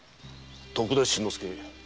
徳田新之助。